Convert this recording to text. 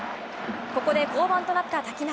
ここで降板となった瀧中。